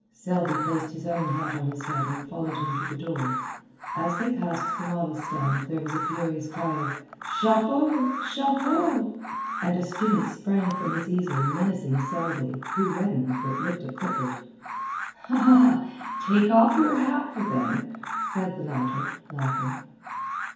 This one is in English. Selby placed his own hat on his head and followed him to the door. As they passed the model stand there was a furious cry of "Chapeau! Chapeau!" and a student sprang from his easel menacing Selby, who reddened but looked at Clifford. "Take off your hat for them," said the latter, laughing.